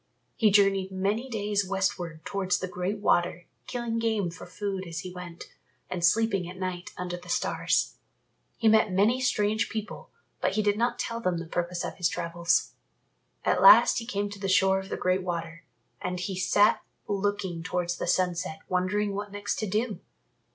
He journeyed many days westward towards the Great Water, killing game for food as he went, and sleeping at night under the stars. He met many strange people, but he did not tell them the purpose of his travels. At last he came to the shore of the Great Water, and he sat looking towards the sunset wondering what next to do.